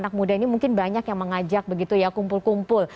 anak muda ini mungkin banyak yang mengajak begitu ya kumpul kumpul